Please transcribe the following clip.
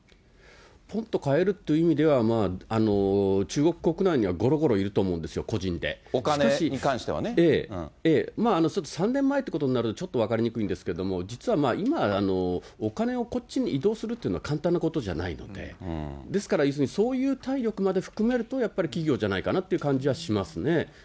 ぽんと買えるという意味では、中国国内にはごろごろいると思うお金に関してはね。３年前ということになるとちょっと分かりにくいんですけれども、実は今、お金をこっちに移動するというのは簡単なことじゃないので、ですから、そういう体力まで含めると、やっぱり企業じゃないかなという感じはしますね。